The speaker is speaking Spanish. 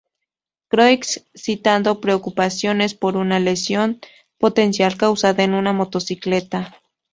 Croix, citando preocupaciones por una lesión potencial causada en una motocicleta.